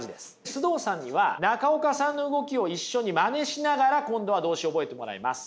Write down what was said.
須藤さんには中岡さんの動きを一緒にまねしながら今度は動詞覚えてもらいます。